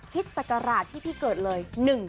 ศักราชที่พี่เกิดเลย